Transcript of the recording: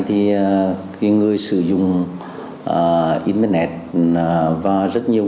thông tin cá nhân